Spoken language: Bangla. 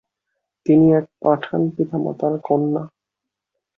তিনি এক পাঠান পিতামাতার কন্যা।